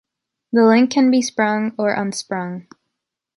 The link can be sprung or unsprung.